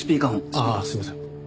ああすいません。